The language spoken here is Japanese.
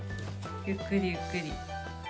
ゆっくりゆっくり。